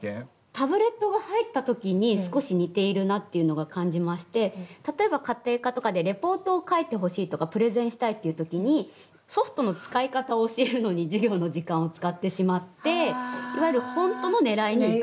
タブレットが入った時に少し似ているなっていうのが感じまして例えば家庭科とかでレポートを書いてほしいとかプレゼンしたいっていう時にソフトの使い方を教えるのに授業の時間を使ってしまっていわゆる本当のねらいにいかない。